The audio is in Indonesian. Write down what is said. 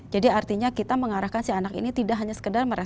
jadi artinya kita mengarahkan si anak ini tidak hanya sekedar mempelajari